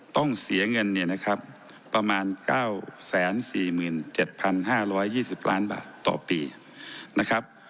ต้องเสียเงินเนี่ยนะครับประมาณ๙๔๗๕๒๐ล้านบาทต่อปีนะครับ